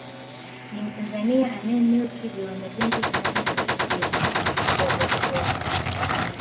Ni Mtanzania anayemilki viwanda vingi vinavyozalisha bidhaa za vyakula